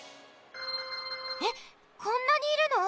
えっこんなにいるの？